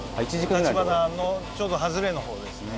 橘のちょうど外れの方ですね。